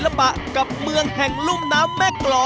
มาเยือนทินกระวีและสวัสดี